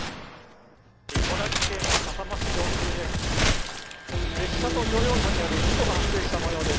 茨城県笠間市上空です。